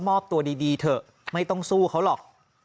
มอบตัวดีเถอะไม่ต้องสู้เขาหรอก